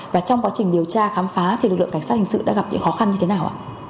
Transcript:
và trong quá trình điều tra khám phá thì lực lượng cảnh sát hình sự đã gặp những khó khăn như thế nào ạ